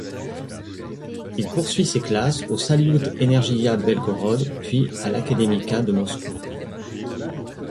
Il poursuit ses classes au Saliout-Energiya Belgorod, puis à l'Akademika de Moscou.